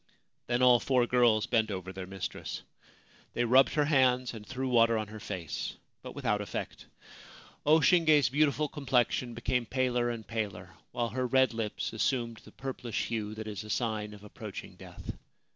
Then all four girls bent over their mistress. They rubbed her hands and threw water on her face, but without effect. O Shinge's beautiful complexion became paler and paler, while her red lips assumed the purplish hue that is a sign of approaching death.